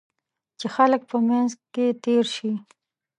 چې خلک په منځ کې تېر شي.